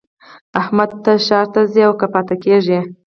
احمده! ته ښار ته ځې او که پاته کېږې؟